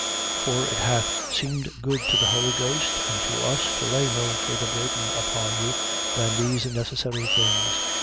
15:28. For it hath seemed good to the Holy Ghost and to us to lay no further burden upon you than these necessary things: 15:29.